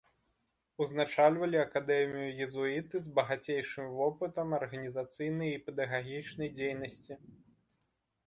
Узначальвалі акадэмію езуіты з багацейшым вопытам арганізацыйнай і педагагічнай дзейнасці.